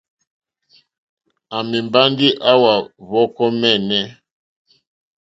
À mɛ̀ndɛ́ ndí áwà hwɔ́kɔ́ !mɛ́ɛ́nɛ́.